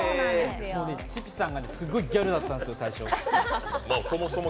ちぴさんがすっごいギャルだったんですよ。